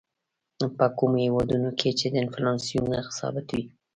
په کومو هېوادونو کې چې د انفلاسیون نرخ ثابت وي.